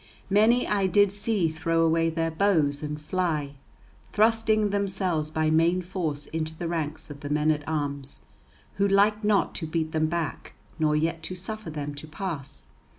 Many I did see throw away their bows and fly, thrusting themselves by main force into the ranks of the men at arms, who liked not to beat them back, nor yet to suffer them to pass.